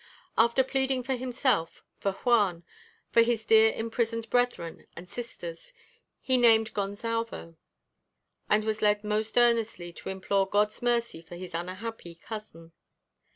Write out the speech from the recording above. After pleading for himself, for Juan, for his dear imprisoned brethren and sisters, he named Gonsalvo; and was led most earnestly to implore God's mercy for his unhappy cousin.